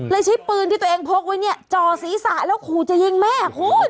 ใช้ปืนที่ตัวเองพกไว้เนี่ยจ่อศีรษะแล้วขู่จะยิงแม่คุณ